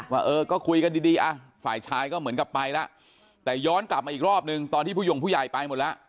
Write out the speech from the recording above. ว่าเออก็คุยกันดีอ่ะฝ่ายชายก็เหมือนกับไปแล้วแต่ย้อนกลับมาอีกรอบนึงตอนที่ผู้หย่งผู้ใหญ่ไปหมดแล้ว